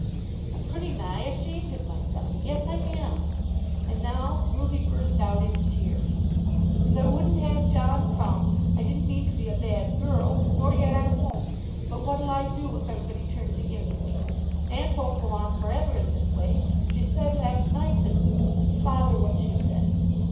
"I'm pretty nigh ashamed of myself. Yes, I am." And now Ruby burst out into tears. "Because I wouldn't have John Crumb, I didn't mean to be a bad girl. Nor yet I won't. But what'll I do, if everybody turns again me? Aunt won't go on for ever in this way. She said last night that " "Bother what she says!"